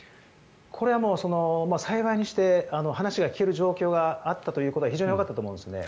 これは幸いにして話が聞ける状況があったということは非常によかったと思うんですね。